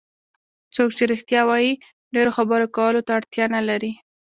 څوک چې رښتیا وایي ډېرو خبرو کولو ته اړتیا نه لري.